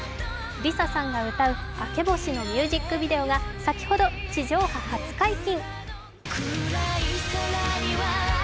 ＬｉＳＡさんが歌う「明け星」のミュージックビデオが先ほど、地上波初解禁。